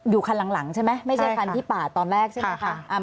คันหลังใช่ไหมไม่ใช่คันที่ปาดตอนแรกใช่ไหมคะ